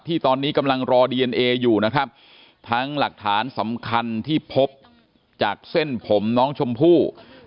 ที่ตอนนี้กำลังรอดีเอนเออยู่นะครับทั้งหลักฐานสำคัญที่พบจากเส้นผมน้องชมพู่